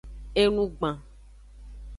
Enugban.